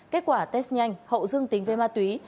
kết quả test nhanh hậu dưng tính về ma túy